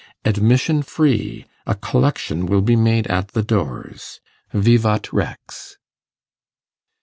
Admission Free. A Collection will be made at the Doors. _Vivat Rex!